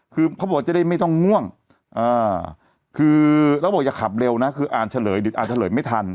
คือเขาบอกว่าจะได้ไม่ต้องง่วงคือแล้วบอกอย่าขับเร็วนะคืออ่านเฉลยเดี๋ยวอ่านเฉลยไม่ทัน